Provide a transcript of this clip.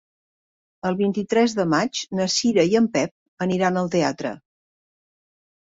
El vint-i-tres de maig na Cira i en Pep aniran al teatre.